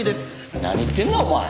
何言ってんだお前。